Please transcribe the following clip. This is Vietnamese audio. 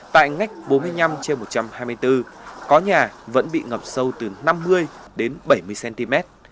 tại ngách bốn mươi năm một trăm hai mươi bốn có nhà vẫn bị ngập sâu từ năm mươi đến bảy mươi cm